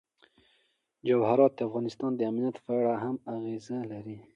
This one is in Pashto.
جواهرات د افغانستان د امنیت په اړه هم اغېز لري.